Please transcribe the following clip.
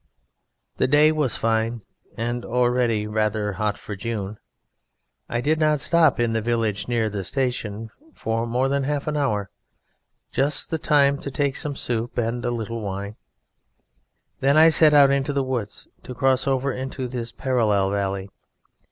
"The day was fine and already rather hot for June. I did not stop in the village near the station for more than half an hour, just the time to take some soup and a little wine; then I set out into the woods to cross over into this parallel valley.